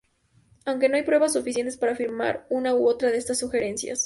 Aunque no hay pruebas suficientes para afirmar una u otra de esas sugerencias.